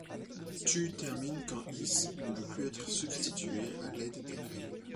Thue termine quand lhs ne peut plus être substitué à l'aide des règles.